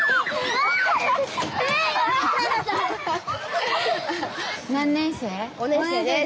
５年生です。